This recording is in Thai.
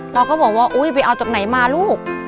เราก็บอกว่าอุ๊ยไปเอาจากไหนมาลูก